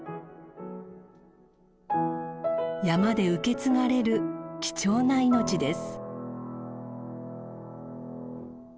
山で受け継がれる貴重な命です。